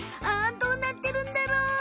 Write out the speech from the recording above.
あどうなってるんだろう？